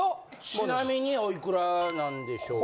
ちなみにおいくらなんでしょうか？